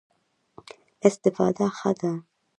استفاده ښه ده.